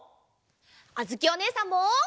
あづきおねえさんも。